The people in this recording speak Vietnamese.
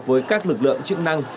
với các lực lượng chức năng